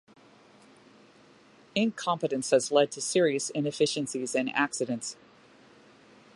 Incompetence has led to serious inefficiencies and accidents.